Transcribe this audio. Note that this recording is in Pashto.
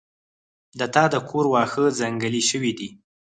د تا د کور واښه ځنګلي شوي دي